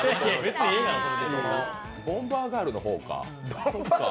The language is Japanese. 「ボンバーガール」の方かあ。